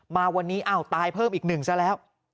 มาวันนี้อ้าวตายเพิ่มอีกหนึ่งซะแล้ว